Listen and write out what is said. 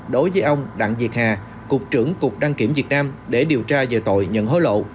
đối với ông đặng việt hà cục trưởng cục đăng kiểm việt nam để điều tra về tội nhận hối lộ